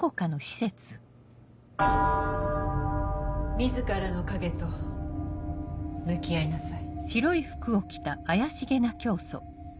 自らの影と向き合いなさい。